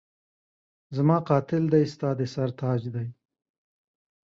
زما قاتل دی ستا د سر تاج دی